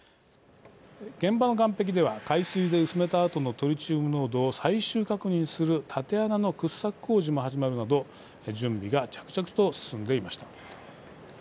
現場の岸壁では海水で薄めたあとのトリチウム濃度を最終確認する縦穴の掘削工事も始まるなど準備が着々と進んでいました。